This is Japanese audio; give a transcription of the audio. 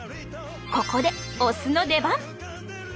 ここでお酢の出番。